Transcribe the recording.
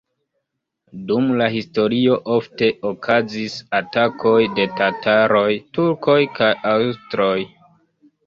Dum la historio ofte okazis atakoj de tataroj, turkoj kaj aŭstroj.